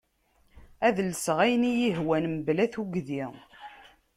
Ad lseɣ ayen iyi-hwan mebla tugdi.